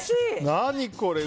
何これ！